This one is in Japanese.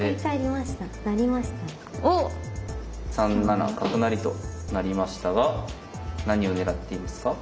３七角成となりましたが何を狙っていますか？